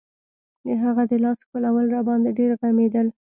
د هغه د لاس ښکلول راباندې ډېر غمېدل.